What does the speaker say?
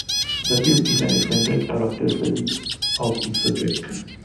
The film is an extended character study of its subject.